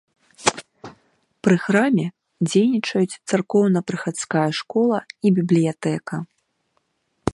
Пры храме дзейнічаюць царкоўна-прыхадская школа і бібліятэка.